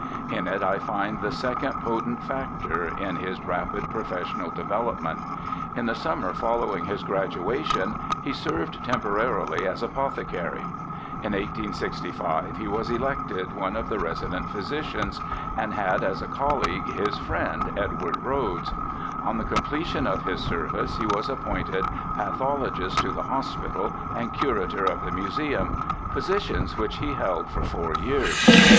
In it I find the second potent factor in his rapid professional development. In the summer following his graduation he served temporarily as apothecary. In 1865 he was elected one of the resident physicians, and had as a colleague his friend, Edward Rhoads. On the completion of his service he was appointed pathologist to the Hospital and curator of the Museum, positions which he held for four years.